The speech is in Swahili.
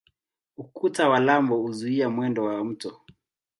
Ukuta wa lambo huzuia mwendo wa mto.